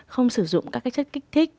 không sử dụng các cái chất kích thích